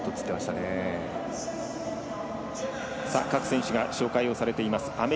各選手紹介されています。